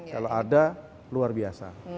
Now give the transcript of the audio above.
kalau ada luar biasa